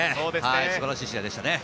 素晴らしい試合でしたね。